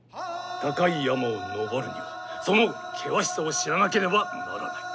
高い山を登るにはその険しさを知らなければならない。